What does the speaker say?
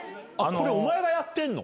これお前がやってんの？